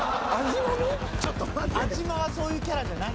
安嶋はそういうキャラじゃない。